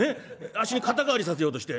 あっしに肩代わりさせようとして。